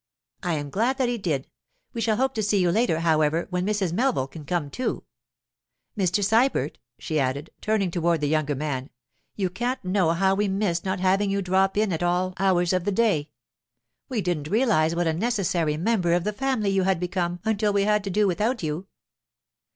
'I am glad that he did—we shall hope to see you later, however, when Mrs. Melville can come too. Mr. Sybert,' she added, turning toward the younger man, 'you can't know how we miss not having you drop in at all hours of the day. We didn't realize what a necessary member of the family you had become until we had to do without you.